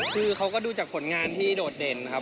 คือเขาก็ดูจากผลงานที่โดดเด่นครับ